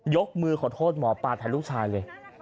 ยกมือขอโทษหมอปลาแทนลูกชายเลย